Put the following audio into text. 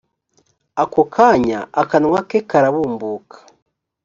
ako kanya akanwa ke karabumbuka